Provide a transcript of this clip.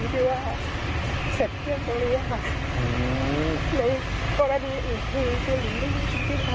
แต่ก็พยายามสื่อสารกับน้องดูว่า